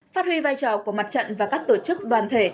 phát huy vai trò của mặt trận và các tổ chức đoàn thể